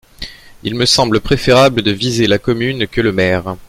Il me semble préférable de viser la commune que le maire.